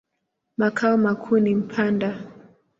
Makao makuu ni Mpanda.